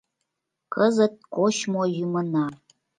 Кызыт кочмо-йӱмына